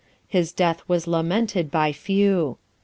His death was lamented by few.